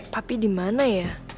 papi dimana ya